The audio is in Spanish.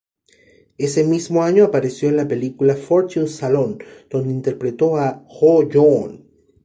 Ese mismo año apareció en la película "Fortune Salon" donde interpretó a Ho-joon.